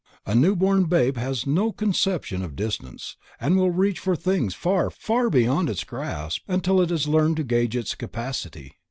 The new born babe has no conception of distance and will reach for things far, far beyond its grasp until it has learned to gauge its capacity.